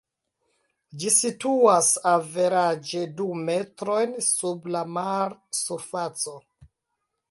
Ĝi situas averaĝe du metrojn sub la mar-surfaco.